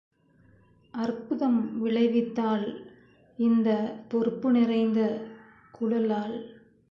அற்புதம் விளைவித்தாள் இந்தப் பொற்பு நிறைந்த குழலாள்.